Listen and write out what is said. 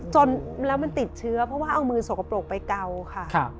จนแล้วมันติดเชื้อเพราะว่าเอามือสกปรกไปเกาค่ะ